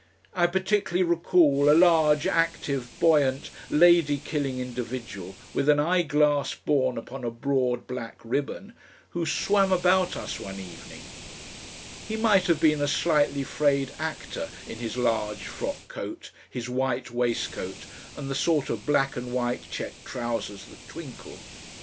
I particularly recall a large, active, buoyant, lady killing individual with an eyeglass borne upon a broad black ribbon, who swam about us one evening. He might have been a slightly frayed actor, in his large frock coat, his white waistcoat, and the sort of black and white check trousers that twinkle.